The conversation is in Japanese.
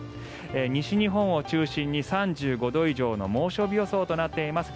西日本を中心に３５度以上の猛暑日予想となっています。